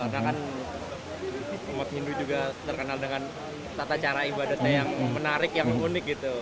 karena kan umat hindu juga terkenal dengan tata cara ibadatnya yang menarik yang unik gitu